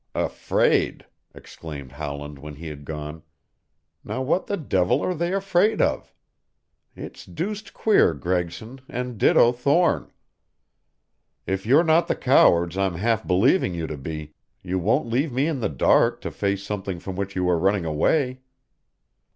"Afraid!" exclaimed Howland when he had gone. "Now what the devil are they afraid of? It's deuced queer, Gregson and ditto, Thorne. If you're not the cowards I'm half believing you to be you won't leave me in the dark to face something from which you are running away."